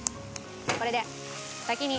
これで先に。